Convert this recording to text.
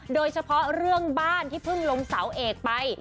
โดยเฉพาะเรื่องบ้านที่เพิ่งลงเสาเอกไป